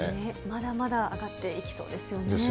まだまだ上がっていきそうでですよね。